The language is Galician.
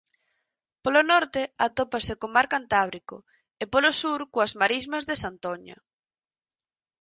Polo norte atópase co mar Cantábrico e polo sur coas marismas de Santoña.